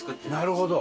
なるほど。